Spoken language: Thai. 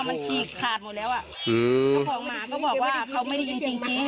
มันฉีกขาดหมดแล้วอ่ะอืมเจ้าของหมาก็บอกว่าเขาไม่ได้ยินจริงจริง